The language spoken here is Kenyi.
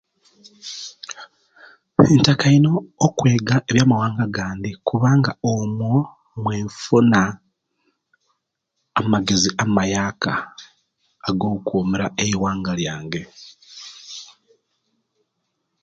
Ntaka ino okwega ebyamawanga gandi kubanga omwo, mwefuna amagezi amayaaka ago'kuumira ewanga lyange.